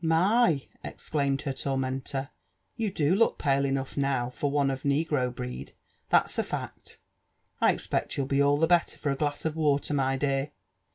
*' My !" exelafoved her ton&enter, " you do look pale eooui^ now for one of nei^re Inreed, that's n fact. I expect you'll be all the better for a glass of water, my dear."